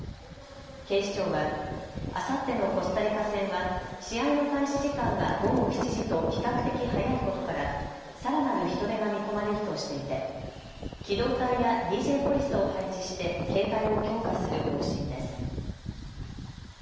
警視庁はあさってのコスタリカ戦は試合の開始時間が午後７時と比較的早いことからさらなる人出が見込まれるとしていて機動隊やＤＪポリスを配置して警戒を強化する方針です。